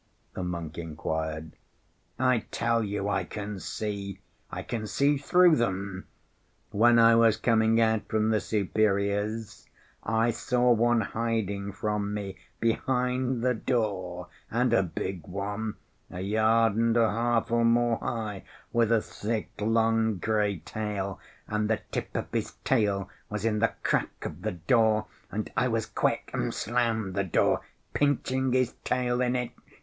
the monk inquired. "I tell you I can see, I can see through them. When I was coming out from the Superior's I saw one hiding from me behind the door, and a big one, a yard and a half or more high, with a thick long gray tail, and the tip of his tail was in the crack of the door and I was quick and slammed the door, pinching his tail in it.